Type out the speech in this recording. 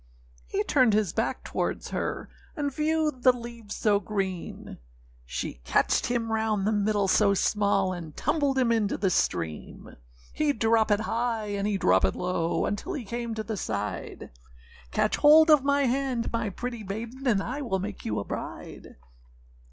â He turned his back towards her, And viewed the leaves so green; She catched him round the middle so small, And tumbled him into the stream. He droppèd high, and he droppèd low, Until he came to the side,â âCatch hold of my hand, my pretty maiden, And I will make you my bride.